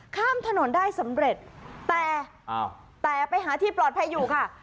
ข้ามถนนได้สำเร็จแต่ไปหาที่ปลอดภัยอยู่ค่ะ